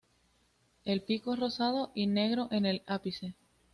El pico es rosado y negro en el ápice.